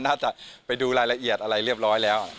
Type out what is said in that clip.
น่าจะไปดูรายละเอียดอะไรเรียบร้อยแล้ว